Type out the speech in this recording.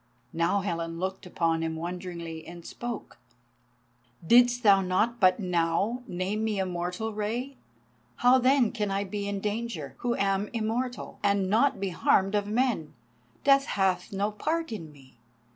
Now Helen looked upon him wonderingly and spoke: "Didst thou not but now name me immortal, Rei? How then can I be in danger, who am immortal, and not to be harmed of men? Death hath no part in me.